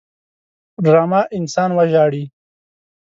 ډرامه انسان وژاړي